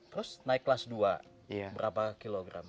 terus naik kelas dua berapa kilogram